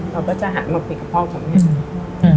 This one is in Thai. เราก็จะหันมาคุยกับพ่อพ่อแม่